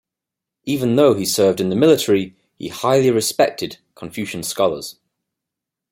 Even though he served in the military, he highly respected Confucian scholars.